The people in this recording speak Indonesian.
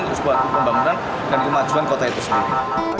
untuk pembangunan dan kemajuan kota itu sendiri